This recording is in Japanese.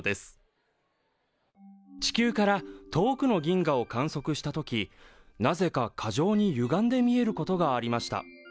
地球から遠くの銀河を観測した時なぜか過剰にゆがんで見えることがありました。